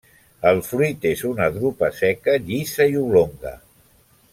El fruit és una drupa seca llisa i oblonga.